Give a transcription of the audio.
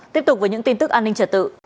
tiếp tục với những tin tức an ninh trật tự